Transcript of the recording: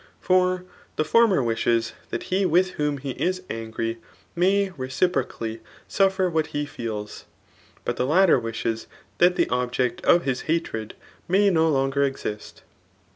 For die former wishes that he with whom he is angry may reci procally suffer what hre feels ; but the latter wishes tint the object of his hatred may no longer exist.